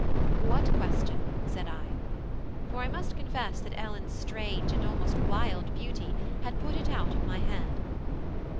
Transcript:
"What question?" said I. For I must confess that Ellen's strange and almost wild beauty had put it out of my head.